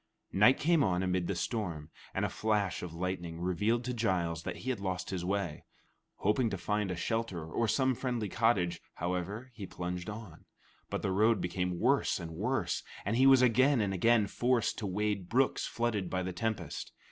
Night came on amid the storm, and a flash of lightning revealed to Giles that he had lost his way. Hoping to find a shelter or some friendly cottage, however, he plunged on; but the road became worse and worse, and he was again and again forced to wade brooks flooded by the tempest.